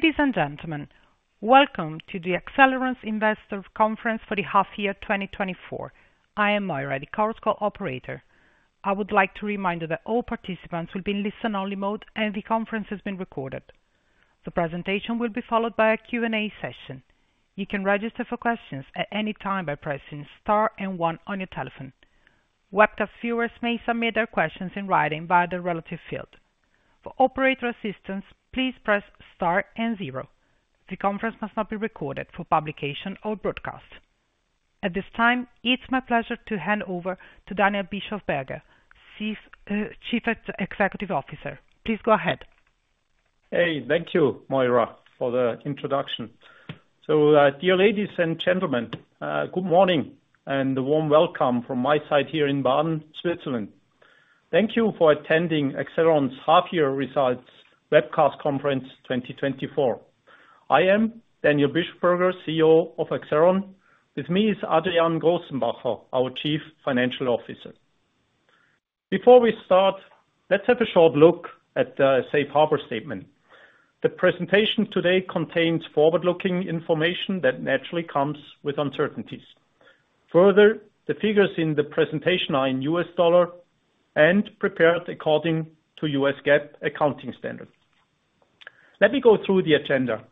Ladies and gentlemen, welcome to the Accelleron Investor Conference for the half year, 2024. I am Moira, the call operator. I would like to remind you that all participants will be in listen-only mode, and the conference is being recorded. The presentation will be followed by a Q&A session. You can register for questions at any time by pressing star and one on your telephone. Webcast viewers may submit their questions in writing via the relative field. For operator assistance, please press star and zero. The conference must not be recorded for publication or broadcast. At this time, it's my pleasure to hand over to Daniel Bischofberger, Chief Executive Officer. Please go ahead. Hey, thank you, Moira, for the introduction. So, dear ladies and gentlemen, good morning, and a warm welcome from my side here in Baden, Switzerland. Thank you for attending Accelleron's half-year results webcast conference 2024. I am Daniel Bischofberger, CEO of Accelleron. With me is Adrian Grossenbacher, our Chief Financial Officer. Before we start, let's have a short look at the Safe Harbor Statement. The presentation today contains forward-looking information that naturally comes with uncertainties. Further, the figures in the presentation are in U.S. dollar and prepared according to U.S. GAAP accounting standards. Let me go through the agenda.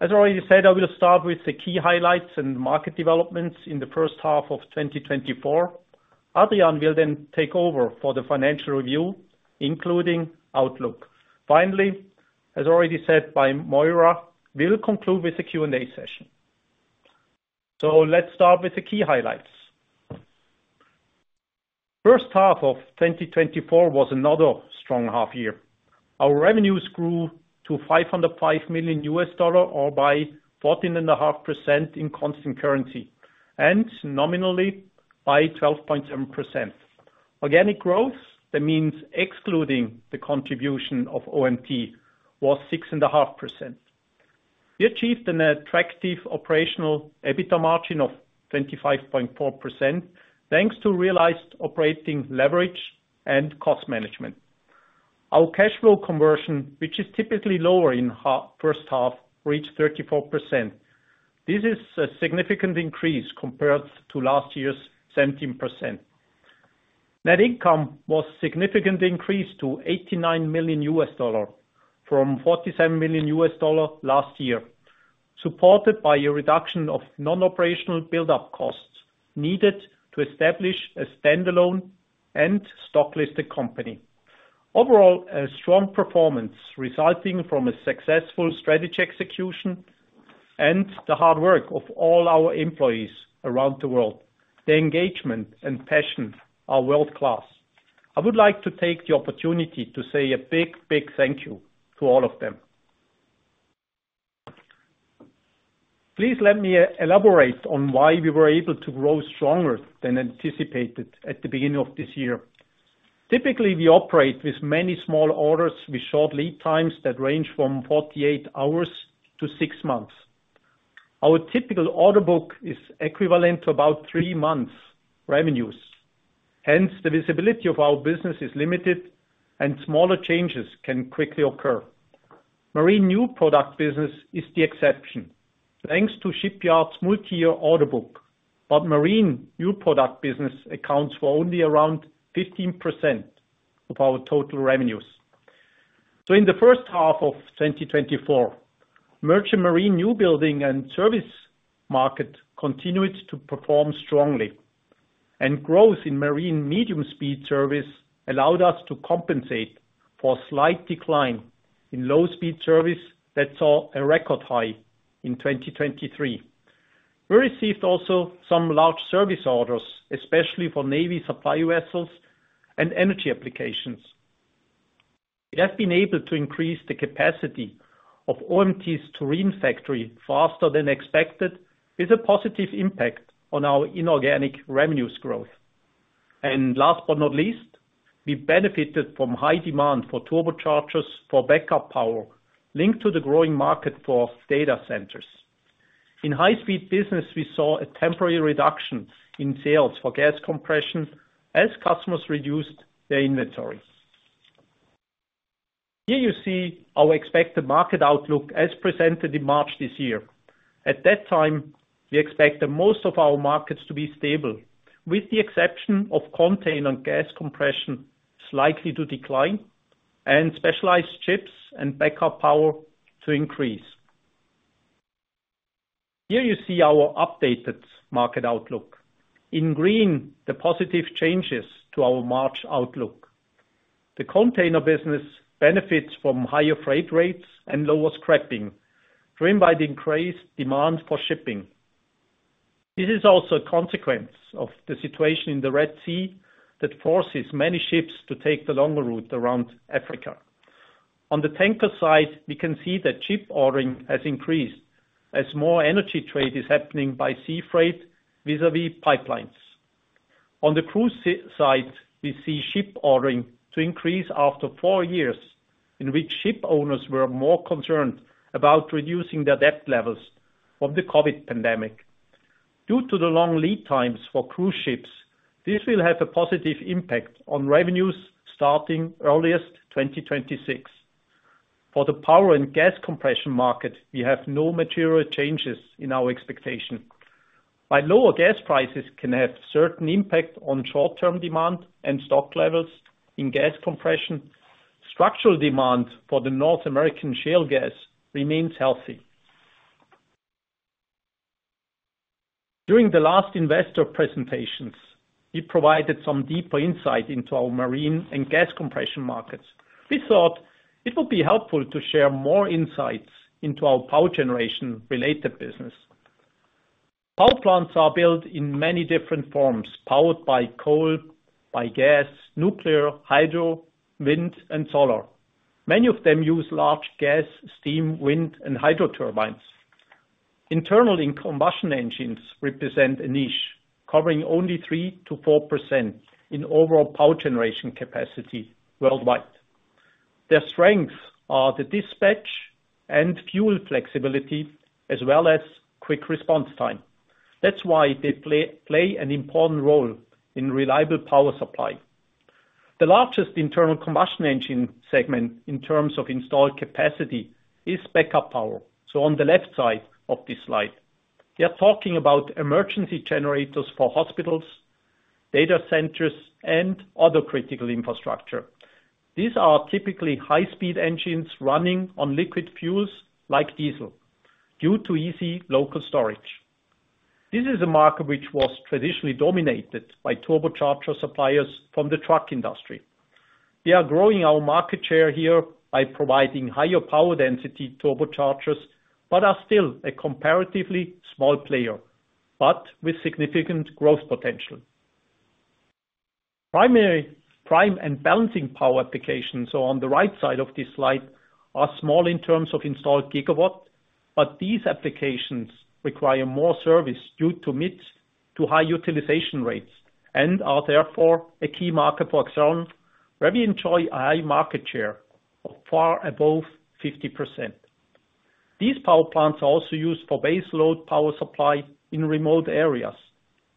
As I already said, I will start with the key highlights and market developments in the first half of 2024. Adrian will then take over for the financial review, including outlook. Finally, as already said by Moira, we'll conclude with a Q&A session. Let's start with the key highlights. First half of 2024 was another strong half year. Our revenues grew to $505 million, or by 14.5% in constant currency, and nominally by 12.7%. Organic growth, that means excluding the contribution of OMT, was 6.5%. We achieved an attractive operational EBITDA margin of 25.4%, thanks to realized operating leverage and cost management. Our cash flow conversion, which is typically lower in first half, reached 34%. This is a significant increase compared to last year's 17%. Net income was significantly increased to $89 million from $47 million last year, supported by a reduction of non-operational buildup costs needed to establish a standalone and stock-listed company. Overall, a strong performance resulting from a successful strategy execution and the hard work of all our employees around the world. Their engagement and passion are world-class. I would like to take the opportunity to say a big, big thank you to all of them. Please let me elaborate on why we were able to grow stronger than anticipated at the beginning of this year. Typically, we operate with many small orders, with short lead times that range from forty-eight hours to six months. Our typical order book is equivalent to about three months revenues. Hence, the visibility of our business is limited, and smaller changes can quickly occur. Marine new product business is the exception. Thanks to shipyards' multi-year order book, but marine new product business accounts for only around 15% of our total revenues. In the first half of 2024, merchant marine new building and service market continued to perform strongly, and growth in marine medium speed service allowed us to compensate for a slight decline in low-speed service that saw a record high in 2023. We received also some large service orders, especially for navy supply vessels and energy applications. We have been able to increase the capacity of OMT's Turin factory faster than expected, with a positive impact on our inorganic revenues growth. Last but not least, we benefited from high demand for turbochargers, for backup power, linked to the growing market for data centers. In high-speed business, we saw a temporary reduction in sales for gas compression as customers reduced their inventory. Here you see our expected market outlook as presented in March this year. At that time, we expected most of our markets to be stable, with the exception of container and gas compression, slightly to decline, and specialized ships and backup power to increase. Here you see our updated market outlook. In green, the positive changes to our March outlook. The container business benefits from higher freight rates and lower scrapping, driven by the increased demand for shipping. This is also a consequence of the situation in the Red Sea that forces many ships to take the longer route around Africa. On the tanker side, we can see that ship ordering has increased as more energy trade is happening by sea freight vis-à-vis pipelines. On the cruise side, we see ship ordering to increase after four years, in which ship owners were more concerned about reducing their debt levels of the COVID pandemic. Due to the long lead times for cruise ships, this will have a positive impact on revenues starting earliest 2026. For the power and gas compression market, we have no material changes in our expectation. While lower gas prices can have certain impact on short-term demand and stock levels in gas compression, structural demand for the North American shale gas remains healthy. During the last investor presentations, we provided some deeper insight into our marine and gas compression markets. We thought it would be helpful to share more insights into our power generation-related business. Power plants are built in many different forms, powered by coal, by gas, nuclear, hydro, wind, and solar. Many of them use large gas, steam, wind, and hydro turbines. Internal combustion engines represent a niche, covering only 3%-4% in overall power generation capacity worldwide. Their strengths are the dispatch and fuel flexibility, as well as quick response time. That's why they play an important role in reliable power supply. The largest internal combustion engine segment, in terms of installed capacity, is backup power. So on the left side of this slide, we are talking about emergency generators for hospitals, data centers, and other critical infrastructure. These are typically high-speed engines running on liquid fuels like diesel due to easy local storage. This is a market which was traditionally dominated by turbocharger suppliers from the truck industry. We are growing our market share here by providing higher power density turbochargers, but are still a comparatively small player, but with significant growth potential. Primary prime and balancing power applications, so on the right side of this slide, are small in terms of installed gigawatt, but these applications require more service due to mid- to high utilization rates, and are therefore a key market for Accelleron, where we enjoy a high market share of far above 50%. These power plants are also used for base load power supply in remote areas,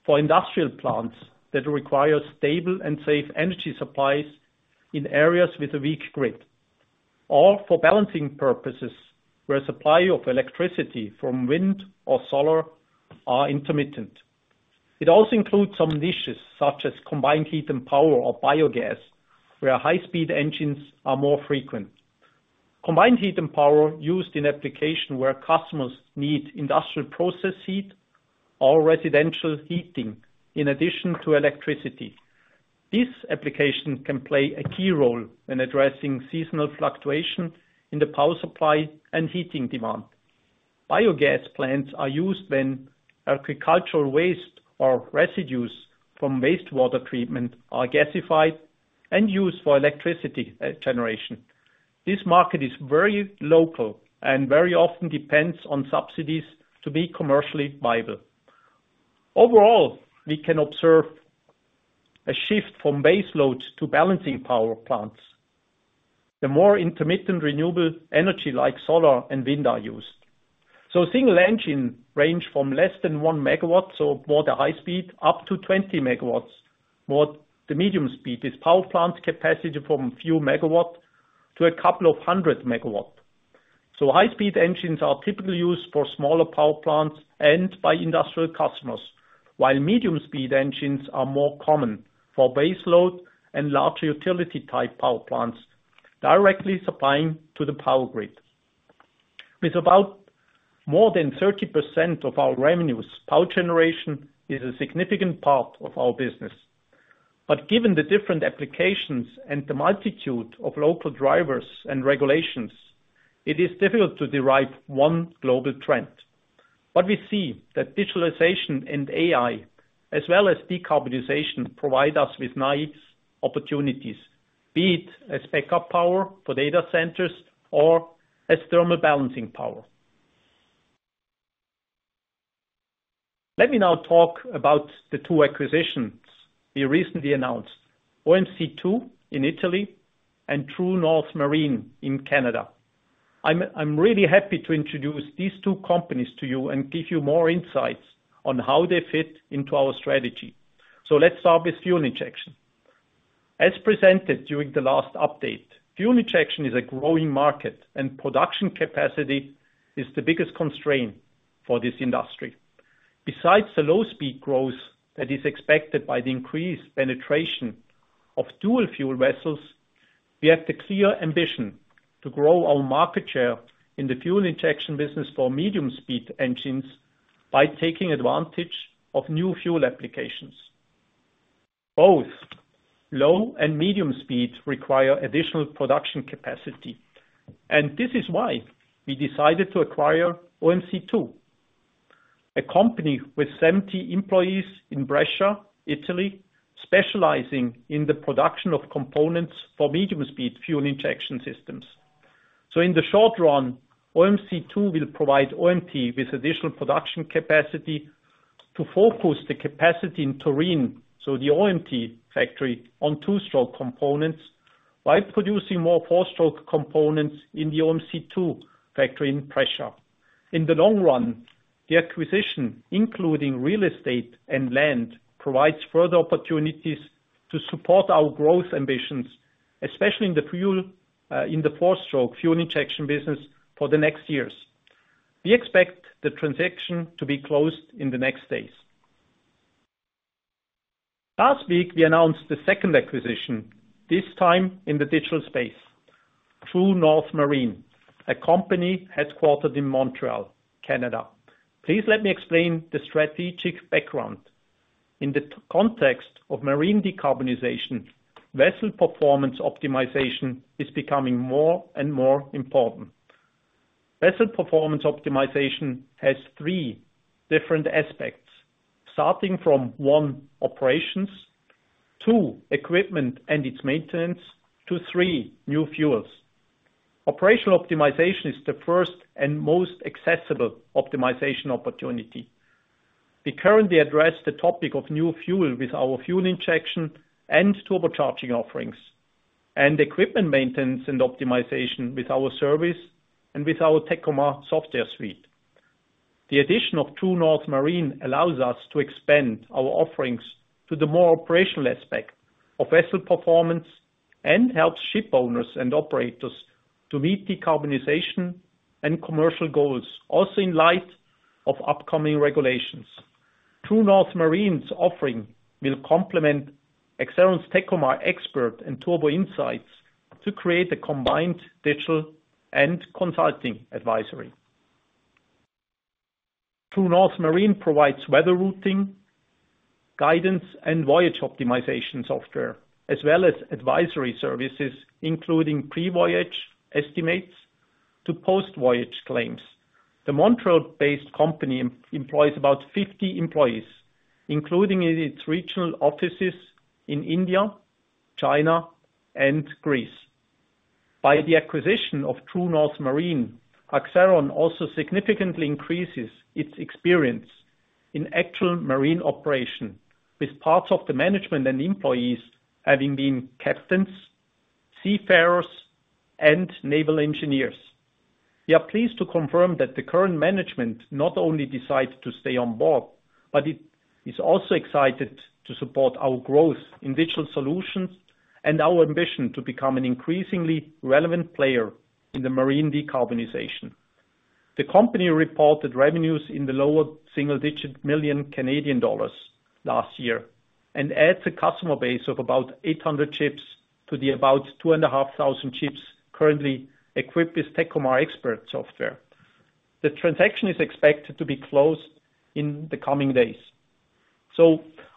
for industrial plants that require stable and safe energy supplies in areas with a weak grid, or for balancing purposes, where supply of electricity from wind or solar are intermittent. It also includes some niches, such as combined heat and power or biogas, where high-speed engines are more frequent. Combined heat and power used in application where customers need industrial process heat or residential heating, in addition to electricity. This application can play a key role in addressing seasonal fluctuation in the power supply and heating demand. Biogas plants are used when agricultural waste or residues from wastewater treatment are gasified and used for electricity generation. This market is very local and very often depends on subsidies to be commercially viable. Overall, we can observe a shift from base loads to balancing power plants. The more intermittent renewable energy, like solar and wind, are used. So single engine range from less than one megawatt, so more the high-speed, up to 20 MW, more the medium-speed, is power plant capacity from few megawatt to a couple of hundred megawatt. So high-speed engines are typically used for smaller power plants and by industrial customers, while medium-speed engines are more common for base load and larger utility-type power plants, directly supplying to the power grid. With about more than 30% of our revenues, power generation is a significant part of our business. But given the different applications and the multitude of local drivers and regulations, it is difficult to derive one global trend. But we see that digitalization and AI, as well as decarbonization, provide us with nice opportunities, be it as backup power for data centers or as thermal balancing power. Let me now talk about the two acquisitions we recently announced: OMC2 in Italy and True North Marine in Canada. I'm, I'm really happy to introduce these two companies to you and give you more insights on how they fit into our strategy. So let's start with fuel injection. As presented during the last update, fuel injection is a growing market, and production capacity is the biggest constraint for this industry. Besides the low-speed growth that is expected by the increased penetration of dual fuel vessels, we have the clear ambition to grow our market share in the fuel injection business for medium-speed engines by taking advantage of new fuel applications. Both low and medium speeds require additional production capacity, and this is why we decided to acquire OMC2, a company with 70 employees in Brescia, Italy, specializing in the production of components for medium-speed fuel injection systems. So in the short run, OMC2 will provide OMT with additional production capacity to focus the capacity in Turin, so the OMT factory, on two-stroke components by producing more four-stroke components in the OMC2 factory in Brescia. In the long run, the acquisition, including real estate and land, provides further opportunities to support our growth ambitions, especially in the fuel, in the four-stroke fuel injection business for the next years. We expect the transaction to be closed in the next days. Last week, we announced the second acquisition, this time in the digital space, True North Marine, a company headquartered in Montreal, Canada. Please let me explain the strategic background. In the context of marine decarbonization, vessel performance optimization is becoming more and more important. Vessel performance optimization has three different aspects, starting from, one, operations, two, equipment and its maintenance, to three, new fuels. Operational optimization is the first and most accessible optimization opportunity. We currently address the topic of new fuel with our fuel injection and turbocharging offerings, and equipment maintenance and optimization with our service and with our Tekomar software suite. The addition of True North Marine allows us to expand our offerings to the more operational aspect of vessel performance, and helps ship owners and operators to meet decarbonization and commercial goals, also in light of upcoming regulations. True North Marine's offering will complement Accelleron's Tekomar XPERT and Turbo Insights to create a combined digital and consulting advisory. True North Marine provides weather routing, guidance, and voyage optimization software, as well as advisory services, including pre-voyage estimates to post-voyage claims. The Montreal-based company employs about 50 employees, including in its regional offices in India, China, and Greece. By the acquisition of True North Marine, Accelleron also significantly increases its experience in actual marine operation, with parts of the management and employees having been captains, seafarers, and naval engineers. We are pleased to confirm that the current management not only decided to stay on board, but it is also excited to support our growth in digital solutions and our ambition to become an increasingly relevant player in the marine decarbonization. The company reported revenues in the lower single-digit million CAD last year, and adds a customer base of about 800 ships to the about 2,500 ships currently equipped with Tekomar XPERT software. The transaction is expected to be closed in the coming days.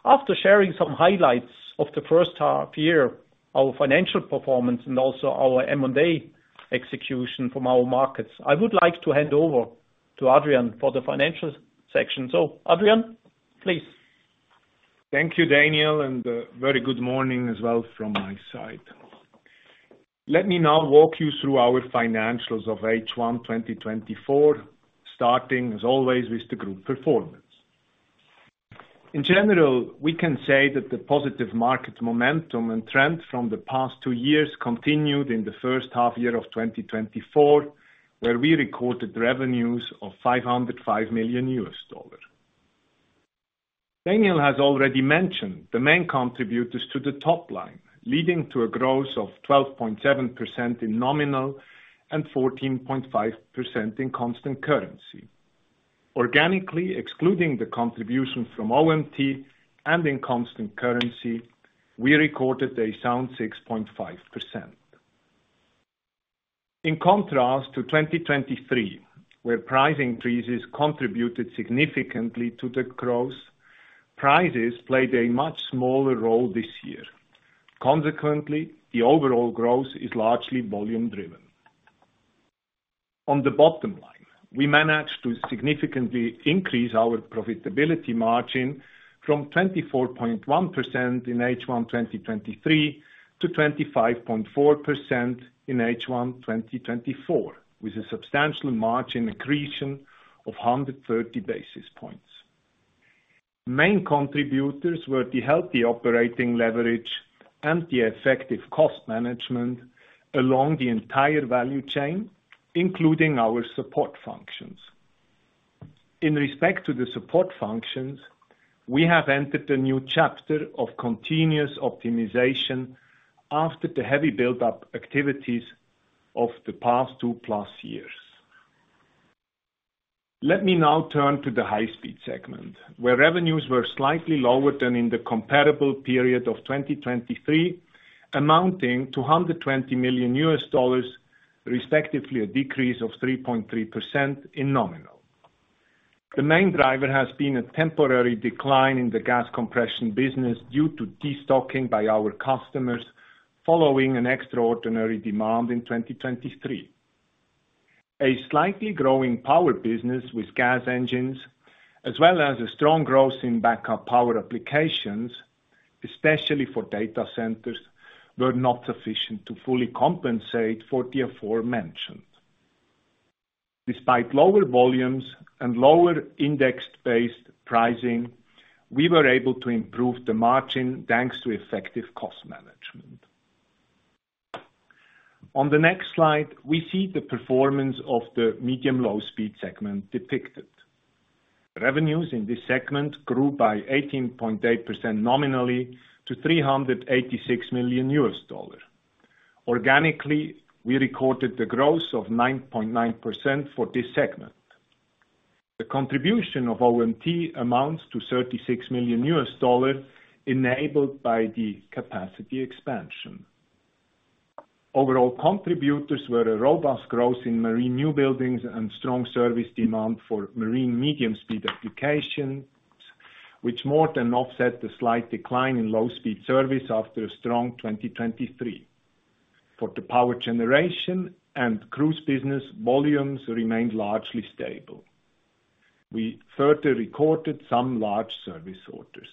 After sharing some highlights of the first half year, our financial performance, and also our M&A execution from our markets, I would like to hand over to Adrian for the financial section. Adrian, please. Thank you, Daniel, and very good morning as well from my side. Let me now walk you through our financials of H1 2024, starting, as always, with the group performance. In general, we can say that the positive market momentum and trend from the past two years continued in the first half year of 2024, where we recorded revenues of $505 million. Daniel has already mentioned the main contributors to the top line, leading to a growth of 12.7% in nominal and 14.5% in constant currency. Organically, excluding the contribution from OMT and in constant currency, we recorded a sound 6.5%. In contrast to 2023, where price increases contributed significantly to the growth, prices played a much smaller role this year. Consequently, the overall growth is largely volume driven. On the bottom line, we managed to significantly increase our profitability margin from 24.1% in H1 2023 to 25.4% in H1 2024, with a substantial margin accretion of 130 basis points. Main contributors were the healthy operating leverage and the effective cost management along the entire value chain, including our support functions. In respect to the support functions, we have entered a new chapter of continuous optimization after the heavy buildup activities of the past two-plus years. Let me now turn to the high-speed segment, where revenues were slightly lower than in the comparable period of 2023, amounting to $120 million, respectively, a decrease of 3.3% in nominal. The main driver has been a temporary decline in the gas compression business due to destocking by our customers, following an extraordinary demand in 2023. A slightly growing power business with gas engines, as well as a strong growth in backup power applications, especially for data centers, were not sufficient to fully compensate for the aforementioned. Despite lower volumes and lower index-based pricing, we were able to improve the margin, thanks to effective cost management. On the next slide, we see the performance of the medium/low-speed segment depicted. Revenues in this segment grew by 18.8% nominally to $386 million. Organically, we recorded the growth of 9.9% for this segment. The contribution of OMT amounts to $36 million, enabled by the capacity expansion. Overall contributors were a robust growth in marine new buildings and strong service demand for marine medium-speed applications, which more than offset the slight decline in low-speed service after a strong 2023. For the power generation and cruise business, volumes remained largely stable. We further recorded some large service orders.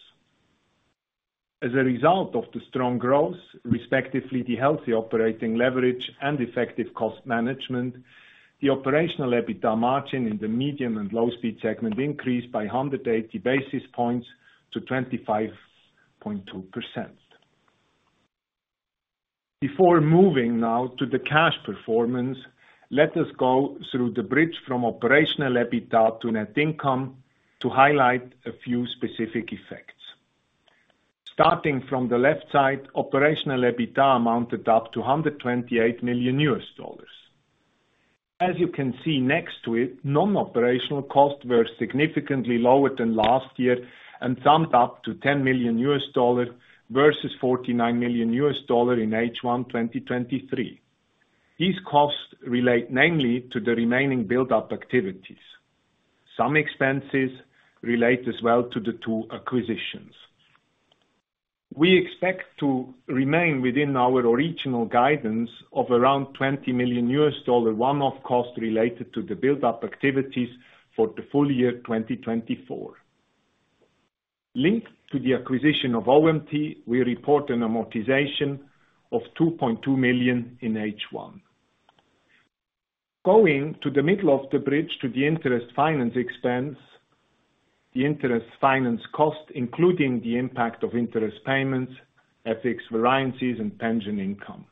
As a result of the strong growth, respectively, the healthy operating leverage and effective cost management, the operational EBITDA margin in the medium and low-speed segment increased by 180 basis points to 25.2%. Before moving now to the cash performance, let us go through the bridge from operational EBITDA to net income to highlight a few specific effects. Starting from the left side, operational EBITDA amounted to $128 million. As you can see next to it, non-operational costs were significantly lower than last year and summed up to $10 million, versus $49 million in H1 2023. These costs relate mainly to the remaining build-up activities. Some expenses relate as well to the two acquisitions. We expect to remain within our original guidance of around $20 million one-off cost related to the build-up activities for the full year 2024. Linked to the acquisition of OMT, we report an amortization of $2.2 million in H1. Going to the middle of the bridge to the interest finance expense, the interest finance cost, including the impact of interest payments, FX variances, and pension income.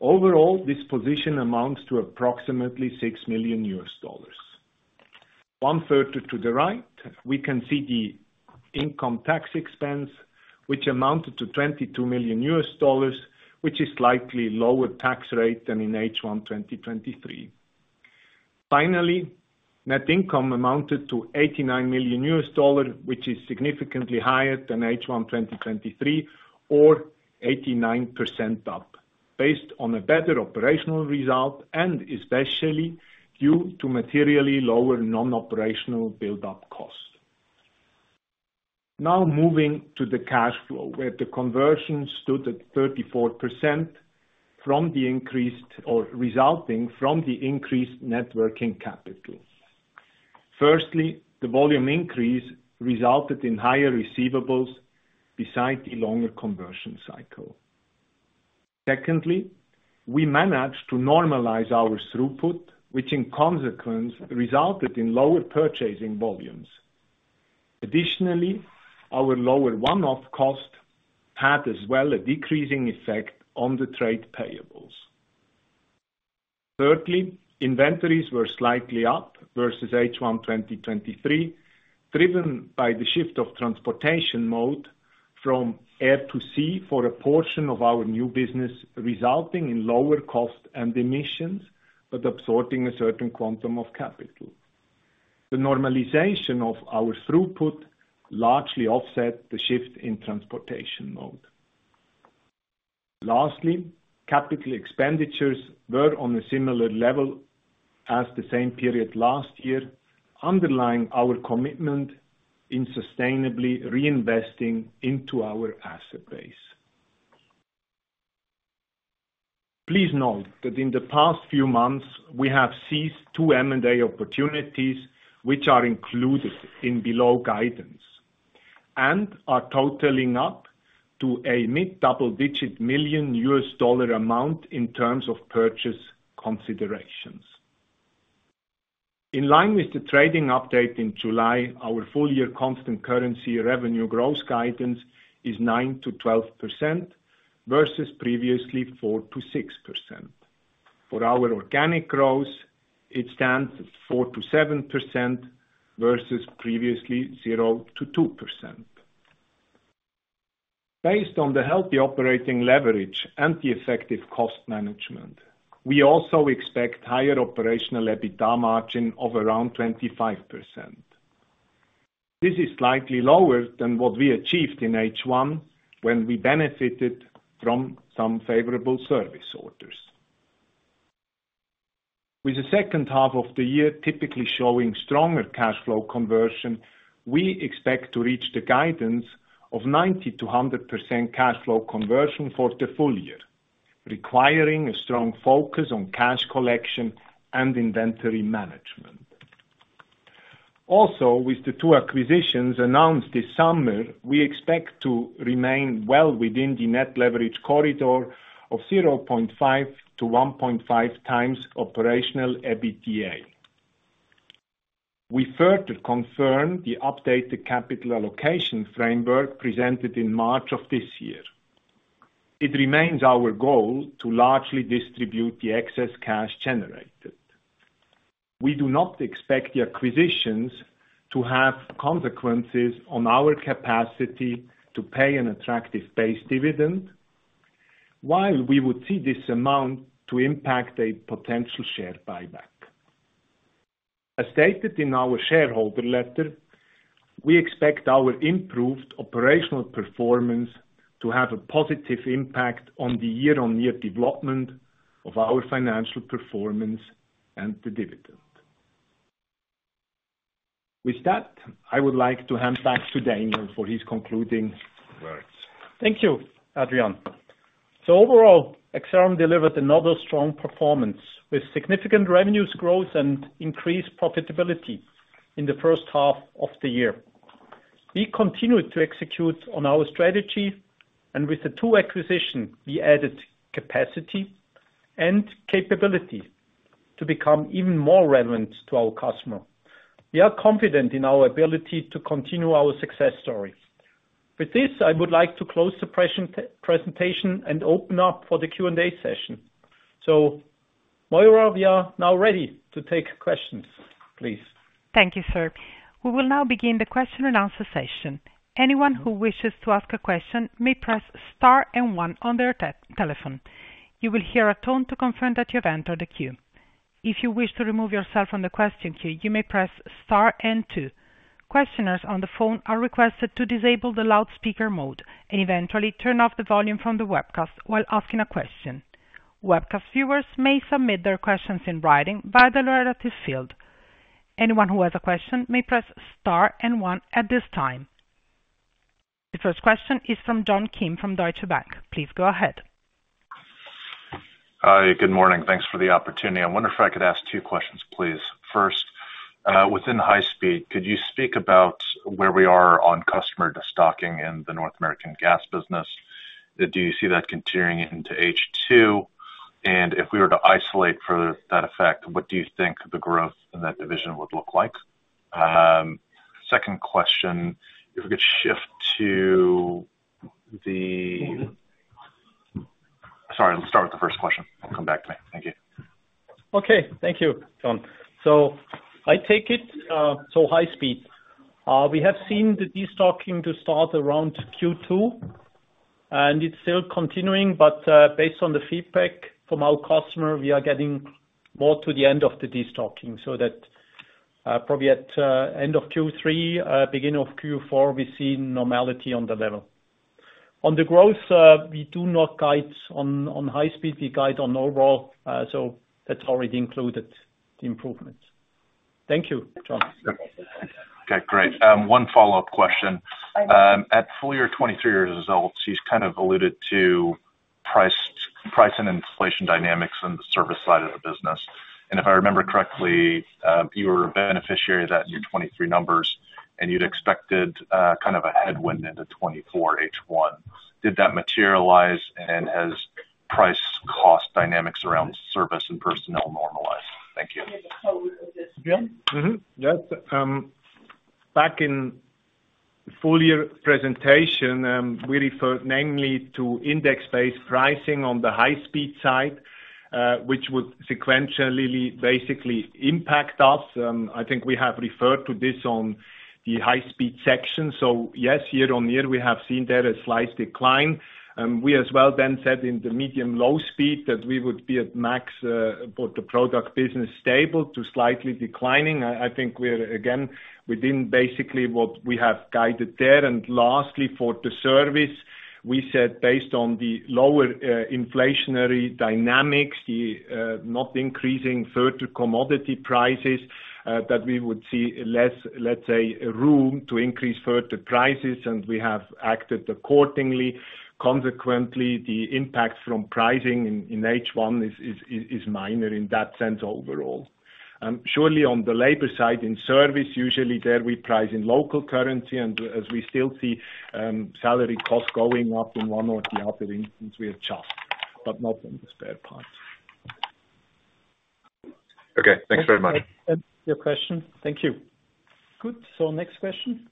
Overall, this position amounts to approximately $6 million. One further to the right, we can see the income tax expense, which amounted to $22 million, which is slightly lower tax rate than in H1, 2023. Finally, net income amounted to $89 million, which is significantly higher than H1, 2023, or 89% up, based on a better operational result and especially due to materially lower non-operational build-up cost. Now moving to the cash flow, where the conversion stood at 34% from the increased or resulting from the increased net working capital. Firstly, the volume increase resulted in higher receivables besides the longer conversion cycle. Secondly, we managed to normalize our throughput, which in consequence, resulted in lower purchasing volumes. Additionally, our lower one-off cost had as well a decreasing effect on the trade payables. Thirdly, inventories were slightly up versus H1 2023, driven by the shift of transportation mode from air to sea for a portion of our new business, resulting in lower cost and emissions, but absorbing a certain quantum of capital. The normalization of our throughput largely offset the shift in transportation mode. Lastly, capital expenditures were on a similar level as the same period last year, underlying our commitment in sustainably reinvesting into our asset base. Please note that in the past few months, we have ceased two M&A opportunities, which are included in below guidance, and are totaling up to a mid-double-digit million USD amount in terms of purchase considerations. In line with the trading update in July, our full-year constant currency revenue gross guidance is 9%-12% versus previously 4%-6%. For our organic growth, it stands at 4%-7% versus previously 0%-2%. Based on the healthy operating leverage and the effective cost management, we also expect higher operational EBITDA margin of around 25%. This is slightly lower than what we achieved in H1, when we benefited from some favorable service orders. With the second half of the year typically showing stronger cash flow conversion, we expect to reach the guidance of 90%-100% cash flow conversion for the full year, requiring a strong focus on cash collection and inventory management. Also, with the two acquisitions announced this summer, we expect to remain well within the net leverage corridor of 0.5x-1.5x operational EBITDA. We further confirm the updated capital allocation framework presented in March of this year. It remains our goal to largely distribute the excess cash generated. We do not expect the acquisitions to have consequences on our capacity to pay an attractive base dividend, while we would see this amount to impact a potential share buyback. As stated in our shareholder letter, we expect our improved operational performance to have a positive impact on the year-on-year development of our financial performance and the dividend. With that, I would like to hand back to Daniel for his concluding words. Thank you, Adrian. Overall, Accelleron delivered another strong performance, with significant revenue growth and increased profitability in the first half of the year. We continued to execute on our strategy, and with the two acquisitions, we added capacity and capability to become even more relevant to our customer. We are confident in our ability to continue our success story. With this, I would like to close the presentation and open up for the Q&A session. Moira, we are now ready to take questions, please. Thank you, sir. We will now begin the question and answer session. Anyone who wishes to ask a question may press star and one on their telephone. You will hear a tone to confirm that you have entered the queue. If you wish to remove yourself from the question queue, you may press star and two. Questioners on the phone are requested to disable the loudspeaker mode and eventually turn off the volume from the webcast while asking a question. Webcast viewers may submit their questions in writing via the relevant field. Anyone who has a question may press star and one at this time. The first question is from John Kim from Deutsche Bank. Please go ahead. Hi, good morning. Thanks for the opportunity. I wonder if I could ask two questions, please. First, within high speed, could you speak about where we are on customer stocking in the North American gas business? Do you see that continuing into H2? And if we were to isolate for that effect, what do you think the growth in that division would look like? Second question, if we could shift to the... Sorry, let's start with the first question. Come back to me. Thank you. Okay. Thank you, John. So I take it, so high speed. We have seen the destocking to start around Q2, and it's still continuing, but based on the feedback from our customer, we are getting more to the end of the destocking, so that probably at end of Q3, beginning of Q4, we see normality on the level. On the growth, we do not guide on high speed, we guide on overall, so that's already included the improvement. Thank you, John. Okay, great. One follow-up question. At full year 2023 results, she has kind of alluded to price and inflation dynamics on the service side of the business. And if I remember correctly, you were a beneficiary of that in your 2023 numbers, and you'd expected kind of a headwind into 2024 H1. Did that materialize, and has price-cost dynamics around service and personnel normalized? Thank you. Yeah. Mm-hmm. Yes. Back in full year presentation, we referred namely to index-based pricing on the high speed side, which would sequentially basically impact us. I think we have referred to this on the high-speed section. So yes, year on year, we have seen there a slight decline, and we as well then said in the medium low speed that we would be at max, for the product business, stable to slightly declining. I think we're again within basically what we have guided there. And lastly, for the service, we said based on the lower inflationary dynamics, the not increasing further commodity prices, that we would see less, let's say, room to increase further prices, and we have acted accordingly. Consequently, the impact from pricing in H1 is minor in that sense overall. Surely on the labor side, in service, usually there we price in local currency, and as we still see, salary costs going up in one or the other instance, we adjust, but not on the spare parts. Okay, thanks very much. Your question. Thank you. Good. So next question.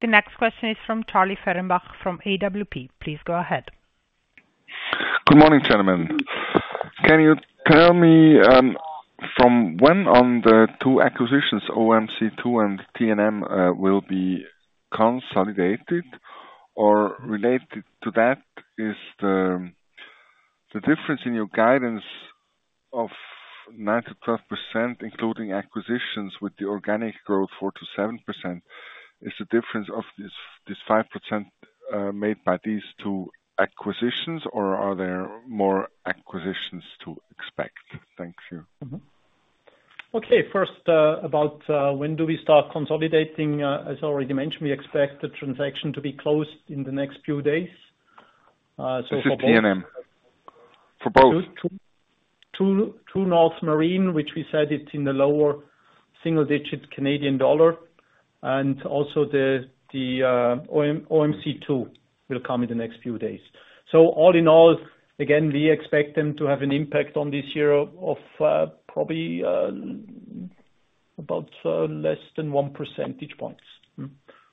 The next question is from Charlie Fehrenbach, from AWP. Please go ahead. Good morning, gentlemen. Can you tell me, from when on the two acquisitions, OMC2 and TNM, will be consolidated? Or related to that, is the difference in your guidance of 9%-12%, including acquisitions with the organic growth 4%-7%, is the difference of this 5%, made by these two acquisitions, or are there more acquisitions to expect? Thank you. Mm-hmm. Okay. First, about when do we start consolidating? As already mentioned, we expect the transaction to be closed in the next few days. So for- This is TNM?... for both True North Marine, which we said it's in the lower single digits CAD, and also the OMC two will come in the next few days. So all in all, again, we expect them to have an impact on this year of probably about less than one percentage points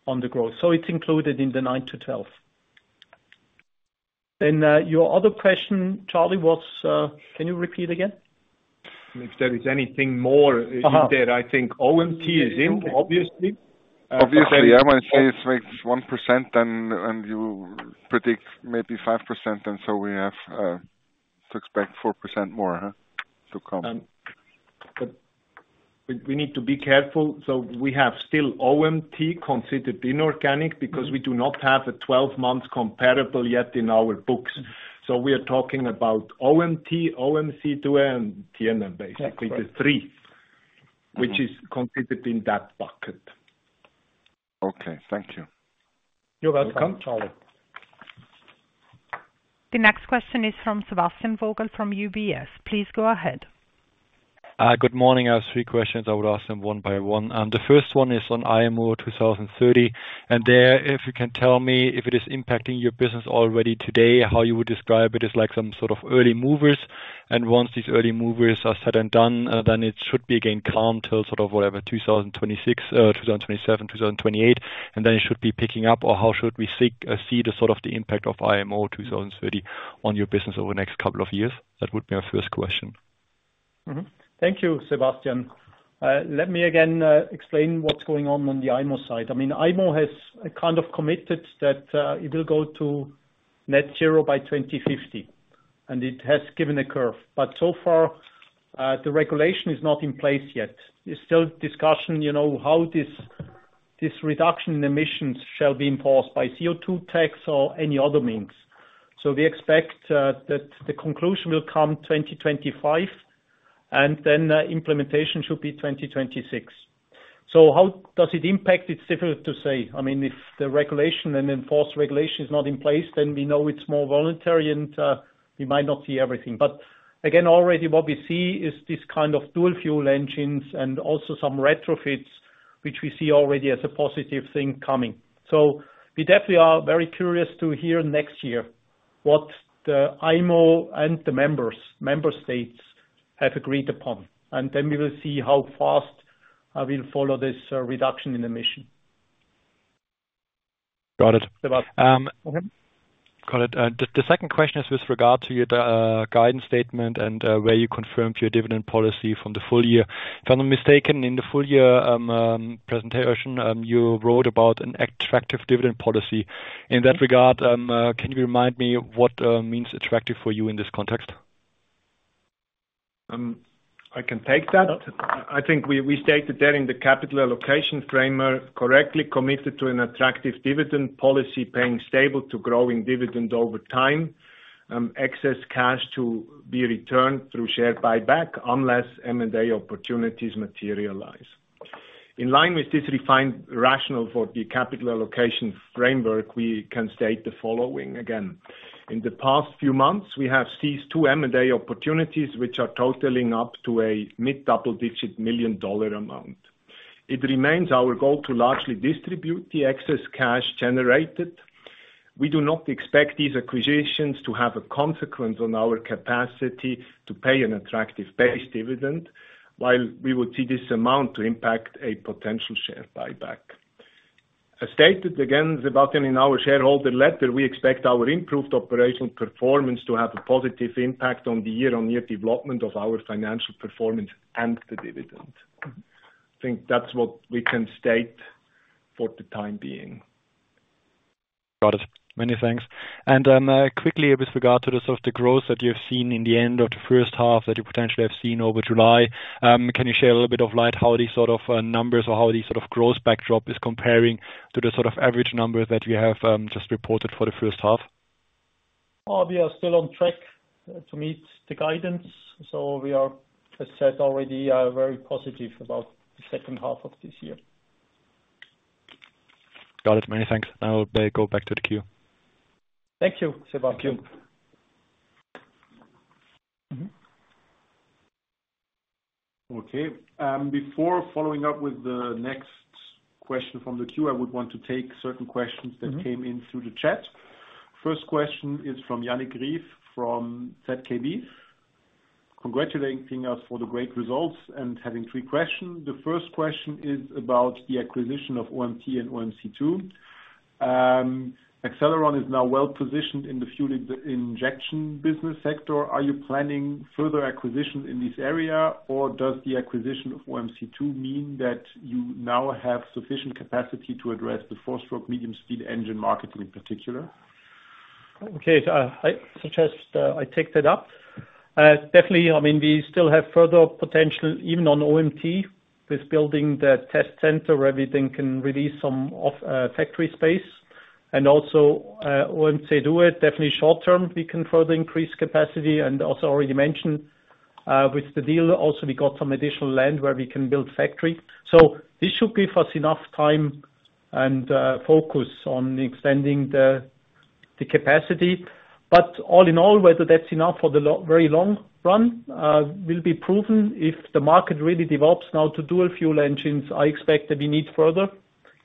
on the growth. So it's included in the nine to twelve. Then your other question, Charlie, was can you repeat again? If there is anything more- in there, I think OMT is in, obviously. Obviously, I might say it makes 1%, then, and you predict maybe 5%, and so we have to expect 4% more, huh, to come? But we need to be careful, so we have still OMT considered inorganic- Because we do not have a twelve-month comparable yet in our books. So we are talking about OMT, OMC2, and TNM, basically- That's right -the three- which is considered in that bucket. Okay, thank you. You're welcome, Charlie. The next question is from Sebastian Vogel, from UBS. Please go ahead. Good morning, I have three questions. I would ask them one by one. And the first one is on IMO 2030, and there, if you can tell me if it is impacting your business already today, how you would describe it, as like some sort of early movers? And once these early movers are said and done, then it should be again calm till sort of whatever, 2026, 2027, 2028, and then it should be picking up, or how should we see the sort of impact of IMO 2030 on your business over the next couple of years? That would be my first question. Mm-hmm. Thank you, Sebastian. Let me again explain what's going on, on the IMO side. I mean, IMO has kind of committed that it will go to net zero by 2050, and it has given a curve, but so far the regulation is not in place yet. There's still discussion, you know, how this reduction in emissions shall be enforced by CO2 tax or any other means. So we expect that the conclusion will come 2025, and then implementation should be 2026. So how does it impact? It's difficult to say. I mean, if the regulation and enforced regulation is not in place, then we know it's more voluntary and we might not see everything. But again, already what we see is this kind of dual fuel engines and also some retrofits, which we see already as a positive thing coming. So we definitely are very curious to hear next year what the IMO and the members, member states have agreed upon, and then we will see how fast we'll follow this reduction in emission. Got it. Sebastian. Got it. The second question is with regard to your guidance statement and where you confirmed your dividend policy from the full year. If I'm mistaken, in the full year presentation, you wrote about an attractive dividend policy. In that regard, can you remind me what means attractive for you in this context? I can take that. I think we stated that in the capital allocation framework, correctly committed to an attractive dividend policy, paying stable to growing dividend over time, excess cash to be returned through share buyback, unless M&A opportunities materialize. In line with this refined rationale for the capital allocation framework, we can state the following again: In the past few months, we have seized two M&A opportunities, which are totaling up to a mid-double-digit million USD amount. It remains our goal to largely distribute the excess cash generated. We do not expect these acquisitions to have a consequence on our capacity to pay an attractive base dividend, while we would see this amount to impact a potential share buyback. As stated again, Sebastian, in our shareholder letter, we expect our improved operational performance to have a positive impact on the year-on-year development of our financial performance and the dividend. I think that's what we can state for the time being. Got it. Many thanks. And, quickly with regard to the sort of the growth that you've seen in the end of the first half, that you potentially have seen over July, can you share a little bit of light how these sort of, numbers or how these sort of growth backdrop is comparing to the sort of average number that you have, just reported for the first half? We are still on track to meet the guidance, so we are, as said already, very positive about the second half of this year. Got it. Many thanks. I will then go back to the queue. Thank you, Sebastian. Thank you. Okay, before following up with the next question from the queue, I would want to take certain questions- That came in through the chat. First question is from [Yannick Reiff], from ZKB. Congratulating us for the great results and having three questions. The first question is about the acquisition of OMT and OMC2. Accelleron is now well positioned in the fuel injection business sector. Are you planning further acquisitions in this area, or does the acquisition of OMC2 mean that you now have sufficient capacity to address the four-stroke medium-speed engine market in particular? Okay, I suggest I take that up. Definitely, I mean, we still have further potential, even on OMT, with building the test center, where we then can release some of factory space, and also OMC2. Definitely short term, we can further increase capacity and also already mentioned with the deal also, we got some additional land where we can build factory. So this should give us enough time and focus on extending the capacity. But all in all, whether that's enough for the very long run, will be proven if the market really develops now to dual fuel engines. I expect that we need further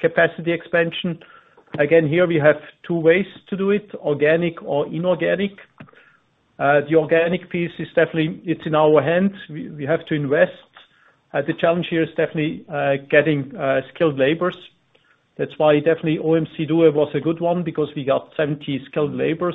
capacity expansion. Again, here we have two ways to do it, organic or inorganic. The organic piece is definitely, it's in our hands. We have to invest. The challenge here is definitely getting skilled labors. That's why definitely OMC2 was a good one, because we got 70 skilled labors,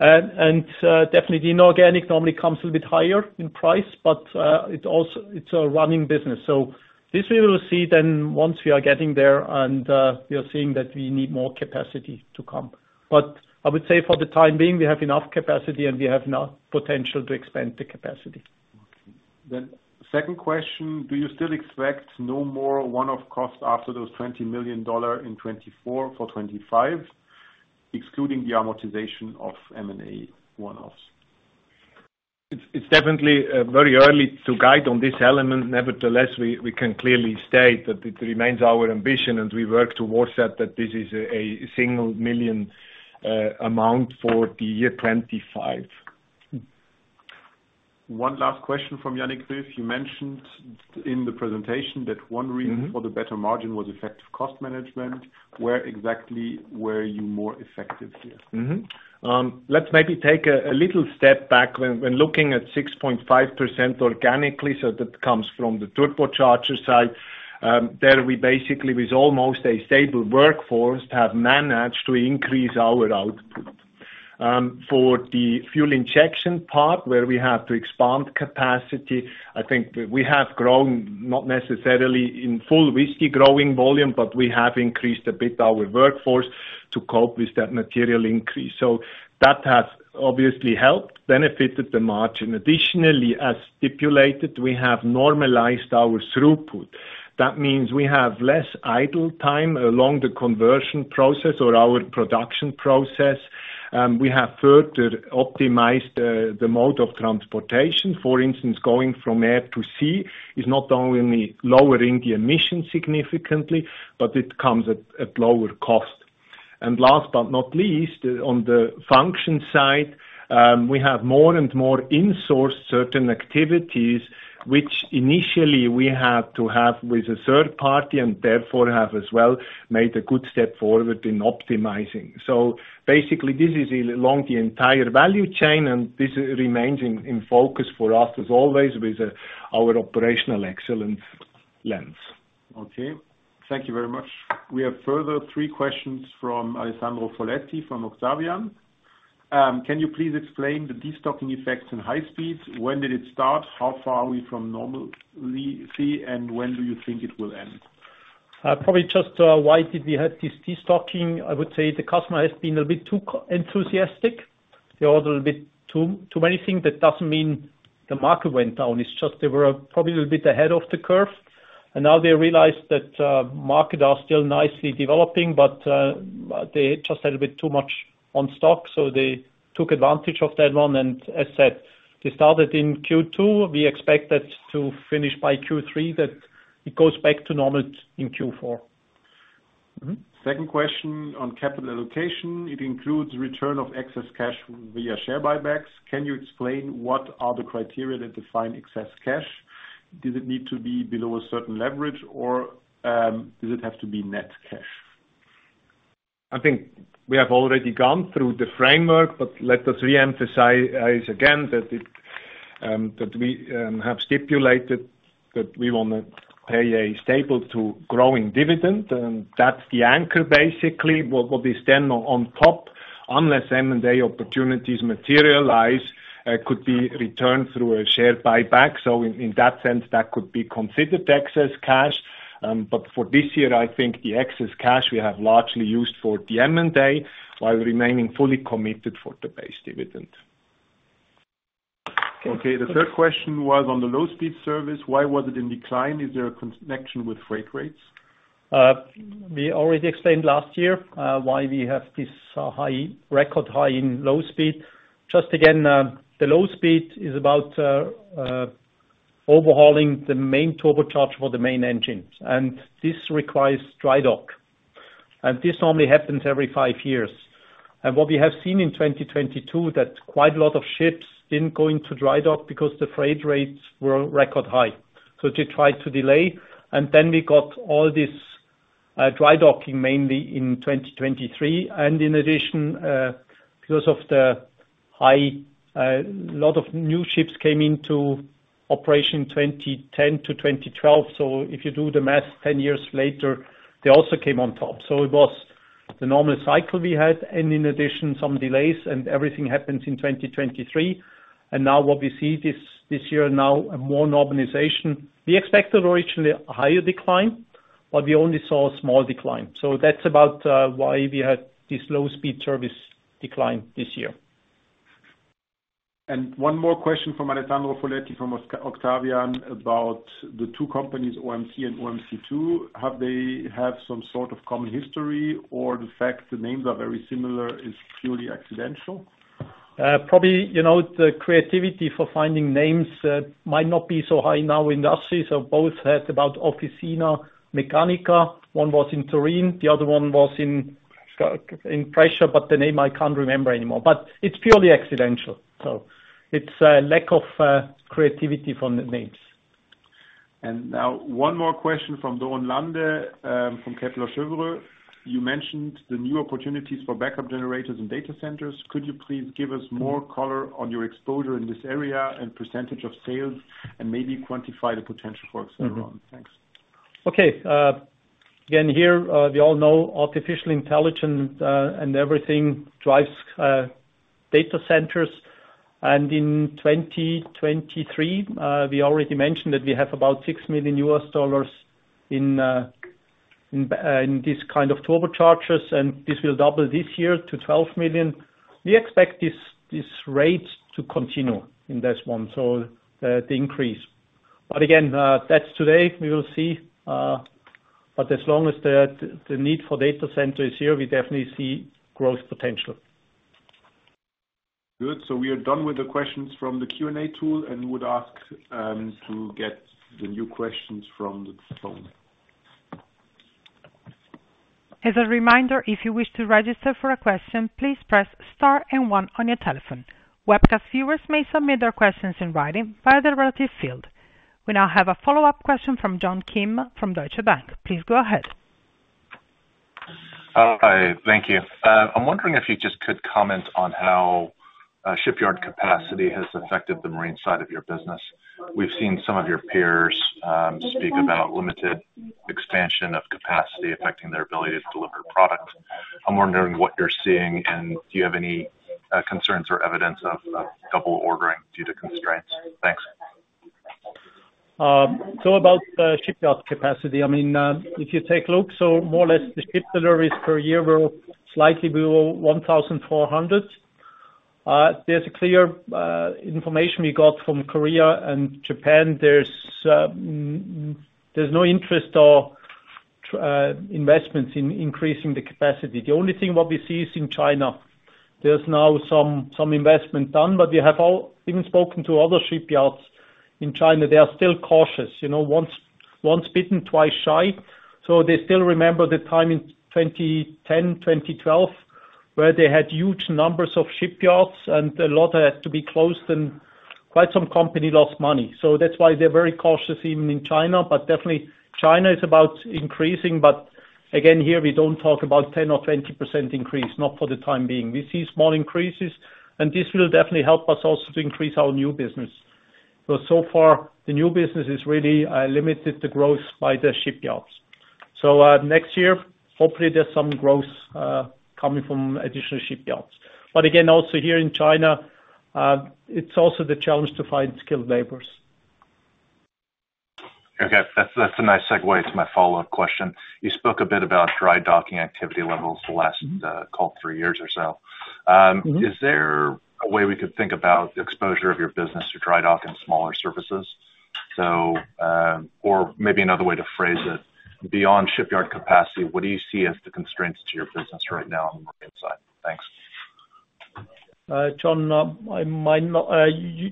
and definitely, the inorganic normally comes a little bit higher in price, but it also - it's a running business, so this we will see then once we are getting there, and we are seeing that we need more capacity to come, but I would say for the time being, we have enough capacity, and we have enough potential to expand the capacity. Okay. Then second question: Do you still expect no more one-off costs after those $20 million in 2024 for 2025, excluding the amortization of M&A one-offs? It's, it's definitely very early to guide on this element. Nevertheless, we, we can clearly state that it remains our ambition, and we work towards that, that this is a, a single million amount for the year 2025. One last question from Yannick Reiff. You mentioned in the presentation that one reason- For the better margin was effective cost management. Where exactly were you more effective here? Mm-hmm. Let's maybe take a little step back when looking at 6.5% organically, so that comes from the turbocharger side. There we basically, with almost a stable workforce, have managed to increase our output. For the fuel injection part, where we have to expand capacity, I think we have grown, not necessarily in full risky growing volume, but we have increased a bit our workforce to cope with that material increase. So that has obviously helped, benefited the margin. Additionally, as stipulated, we have normalized our throughput. That means we have less idle time along the conversion process or our production process. We have further optimized the mode of transportation. For instance, going from air to sea is not only lowering the emissions significantly, but it comes at lower cost. And last but not least, on the function side, we have more and more insourced certain activities, which initially we had to have with a third party and therefore have as well made a good step forward in optimizing. So basically, this is along the entire value chain, and this remains in focus for us, as always, with our operational excellence lens. Okay. Thank you very much. We have further three questions from Alessandro Foletti, from Octavian. Can you please explain the destocking effects in high speeds? When did it start? How far are we from normal levels, and when do you think it will end? Probably just, why did we have this destocking? I would say the customer has been a bit too enthusiastic. They ordered a bit too many things. That doesn't mean the market went down. It's just they were probably a little bit ahead of the curve, and now they realize that market are still nicely developing, but they just had a bit too much on stock, so they took advantage of that one. And as said, they started in Q2. We expect that to finish by Q3, that it goes back to normal in Q4. Second question on capital allocation. It includes return of excess cash via share buybacks. Can you explain what are the criteria that define excess cash? Does it need to be below a certain leverage, or, does it have to be net cash? I think we have already gone through the framework, but let us reemphasize again, that it, that we have stipulated that we wanna pay a stable to growing dividend, and that's the anchor, basically. What, what is then on, on top, unless M&A opportunities materialize, could be returned through a share buyback. So in, in that sense, that could be considered excess cash. But for this year, I think the excess cash we have largely used for the M&A, while remaining fully committed for the base dividend. Okay. The third question was on the low-speed service. Why was it in decline? Is there a connection with freight rates? We already explained last year why we have this high record high in low speed. Just again, the low speed is about overhauling the main turbocharger for the main engine, and this requires dry dock, and this normally happens every five years. And what we have seen in 2022, that quite a lot of ships didn't go into dry dock because the freight rates were record high. So they tried to delay, and then we got all this dry docking, mainly in 2023. And in addition, because of the high... A lot of new ships came into operation 2010 to 2012, so if you do the math, 10 years later, they also came on top. So it was the normal cycle we had, and in addition, some delays, and everything happens in 2023. Now what we see this year, now a more normalization. We expected originally a higher decline, but we only saw a small decline. That's about why we had this low-speed service decline this year. One more question from Alessandro Foletti, from Octavian, about the two companies, OMT and OMC2. Have they have some sort of common history, or the fact the names are very similar is purely accidental?... Probably, you know, the creativity for finding names might not be so high now in the arts, so both heard about Officine Meccaniche. One was in Turin, the other one was in Brescia, but the name I can't remember anymore, but it's purely accidental, so it's a lack of creativity from the names. Now, one more question from Doron Lande, from Kepler Cheuvreux. You mentioned the new opportunities for backup generators and data centers. Could you please give us more color on your exposure in this area and percentage of sales, and maybe quantify the potential for us later on? Thanks. Okay, again, here, we all know artificial intelligence and everything drives data centers. And in 2023, we already mentioned that we have about $6 million in this kind of turbochargers, and this will double this year to $12 million. We expect this rate to continue in this one, so the increase. But again, that's today, we will see, but as long as the need for data center is here, we definitely see growth potential. Good. So we are done with the questions from the Q&A tool and would ask to get the new questions from the phone. As a reminder, if you wish to register for a question, please press star and one on your telephone. Webcast viewers may submit their questions in writing via the relative field. We now have a follow-up question from John Kim, from Deutsche Bank. Please go ahead. Hi, thank you. I'm wondering if you just could comment on how shipyard capacity has affected the marine side of your business. We've seen some of your peers speak about limited expansion of capacity affecting their ability to deliver product. I'm wondering what you're seeing, and do you have any concerns or evidence of double ordering due to constraints? Thanks. So about shipyard capacity. I mean, if you take a look, so more or less, the ship deliveries per year were slightly below 1,400. There's a clear information we got from Korea and Japan. There's no interest or investments in increasing the capacity. The only thing what we see is in China. There's now some investment done, but we have all even spoken to other shipyards in China. They are still cautious, you know, once bitten, twice shy. So they still remember the time in 2010, 2012, where they had huge numbers of shipyards, and a lot had to be closed, and quite some company lost money. So that's why they're very cautious, even in China. But definitely, China is about increasing, but again, here we don't talk about 10 or 20% increase, not for the time being. We see small increases, and this will definitely help us also to increase our new business. So, so far, the new business is really limited the growth by the shipyards. So, next year, hopefully, there's some growth coming from additional shipyards. But again, also here in China, it's also the challenge to find skilled laborers. Okay. That's, that's a nice segue to my follow-up question. You spoke a bit about dry docking activity levels the last call, three years or so. Is there a way we could think about the exposure of your business to dry dock and smaller services? So, or maybe another way to phrase it, beyond shipyard capacity, what do you see as the constraints to your business right now on the inside? Thanks. John,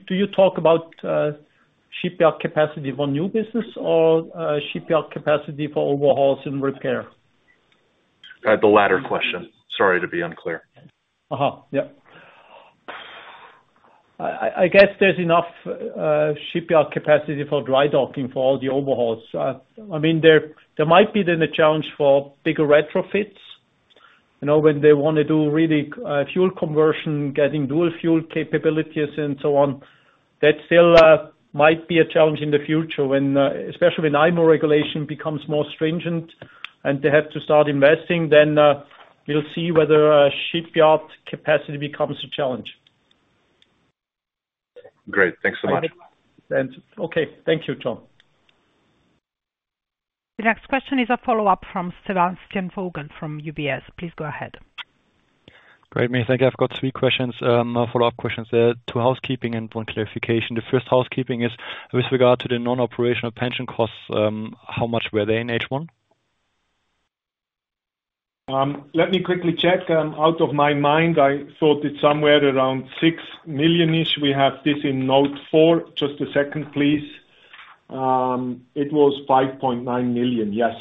do you talk about shipyard capacity for new business or shipyard capacity for overhauls and repair? The latter question. Sorry to be unclear. Yep. I guess there's enough shipyard capacity for dry docking for all the overhauls. I mean, there might be then a challenge for bigger retrofits, you know, when they wanna do really fuel conversion, getting dual fuel capabilities and so on. That still might be a challenge in the future when, especially when IMO regulation becomes more stringent and they have to start investing, then we'll see whether shipyard capacity becomes a challenge. Great. Thanks so much. Okay, thank you, John. The next question is a follow-up from Sebastian Vogel from UBS. Please go ahead. Great, thank you. I've got three questions, follow-up questions, two housekeeping and one clarification. The first housekeeping is with regard to the non-operational pension costs, how much were they in H1? Let me quickly check. Out of my mind, I thought it's somewhere around $6 million-ish. We have this in Note 4. Just a second, please. It was $5.9 million, yes.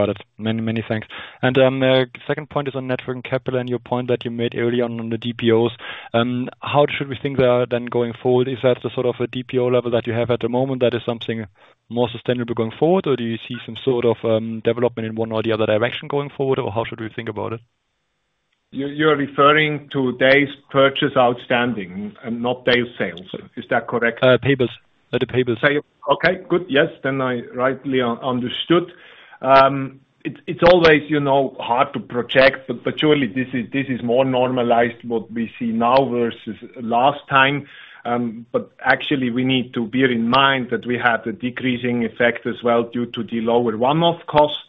Got it. Many, many thanks. And second point is on net working capital and your point that you made earlier on, on the DPOs. How should we think about then going forward? Is that the sort of a DPO level that you have at the moment that is something more sustainable going forward, or do you see some sort of development in one or the other direction going forward, or how should we think about it? You, you're referring to days payable outstanding and not days sales outstanding. Is that correct? Payables. The payables. Okay, good. Yes, then I rightly understood. It's always, you know, hard to project, but surely this is more normalized, what we see now versus last time. But actually, we need to bear in mind that we have the decreasing effect as well, due to the lower one-off cost,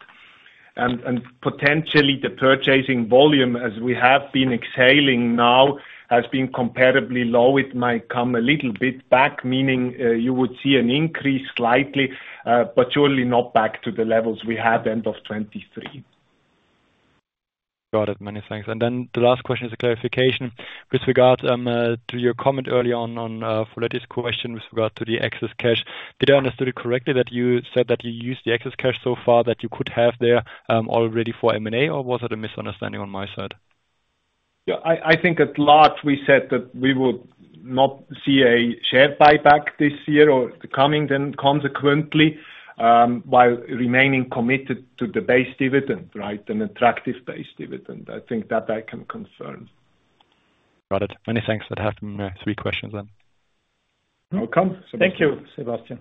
and potentially the purchasing volume, as we have been exhaling now, has been comparably low. It might come a little bit back, meaning you would see an increase slightly, but surely not back to the levels we had end of 2023. Got it. Many thanks. And then the last question is a clarification with regard to your comment earlier on for this question with regard to the excess cash. Did I understood it correctly, that you said that you used the excess cash so far, that you could have there already for M&A, or was it a misunderstanding on my side? Yeah, I think at large, we said that we would not see a share buyback this year or the coming, then consequently, while remaining committed to the base dividend, right? An attractive base dividend. I think that I can confirm. Got it. Many thanks. That happened three questions then. Welcome. Thank you, Sebastian.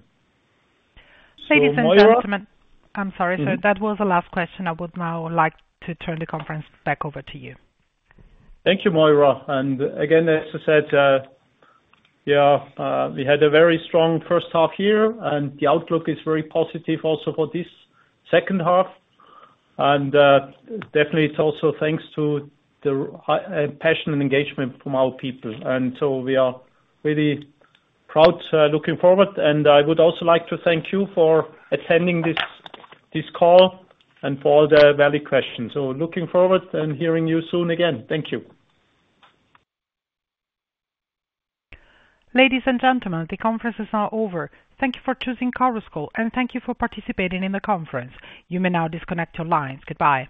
Ladies and gentlemen, So Moira- I'm sorry, sir. That was the last question. I would now like to turn the conference back over to you. Thank you, Moira. And again, as I said, we had a very strong first half year, and the outlook is very positive also for this second half. And, definitely, it's also thanks to the passion and engagement from our people. And so we are really proud, looking forward. And I would also like to thank you for attending this, this call and for all the valid questions. So looking forward and hearing you soon again. Thank you. Ladies and gentlemen, the conference is now over. Thank you for choosing Chorus Call, and thank you for participating in the conference. You may now disconnect your lines. Goodbye.